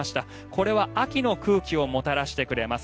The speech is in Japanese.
これは秋の空気をもたらしてくれます。